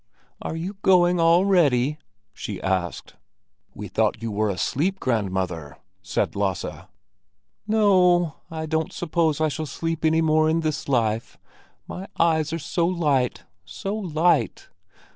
"Are you going already?" she asked. "We thought you were asleep, grandmother," said Lasse. "No, I don't suppose I shall sleep any more in this life; my eyes are so light, so light!